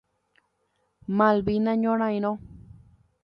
Malvina Ñorairõ.